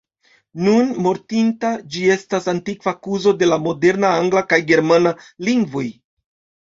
Nun mortinta, ĝi estas antikva kuzo de la moderna angla kaj germana lingvoj.